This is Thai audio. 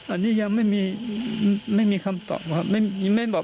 อันนี้ยังไม่มีคำตอบครับ